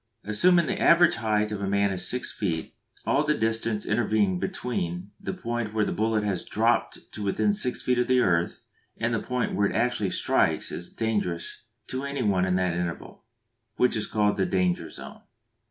Assuming the average height of a man to be six feet, all the distance intervening between the point where a bullet has dropped to within six feet of the earth, and the point where it actually strikes is dangerous to any one in that interval, which is called the "danger zone."